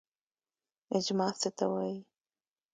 اجماع څه ته وایي؟